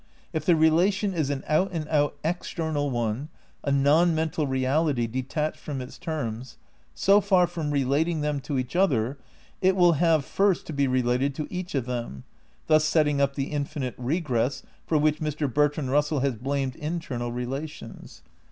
If the rela tion is an out and out external one, a non mental reality detached from its terms, so far from relating them to each otner it will have first to be related to each of them, thus setting up the infinite regress for which Mr. Bertrand Eussell has blamed internal relations.